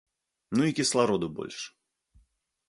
Ну і кіслароду больш.